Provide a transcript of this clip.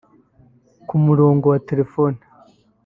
Ku murongo wa telefoni